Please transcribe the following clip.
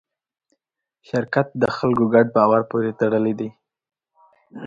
شرکت د خلکو ګډ باور پورې تړلی دی.